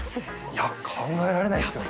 いや考えられないですよね